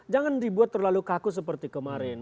jangan dibuat terlalu kaku seperti kemarin